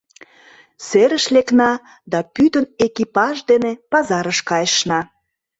Серыш лекна да пӱтынь экипаж дене пазарыш кайышна.